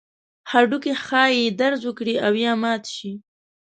هډوکي ښایي درز وکړي او یا مات شي.